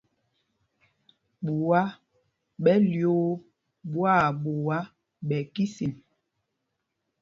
Ɓuá ɓɛ lyōō ɓwâɓuá ɓɛ kísin.